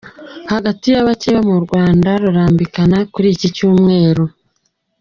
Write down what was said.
Hagati yabacyeba m’ urwanda Rurambikana kuri iki cyumweru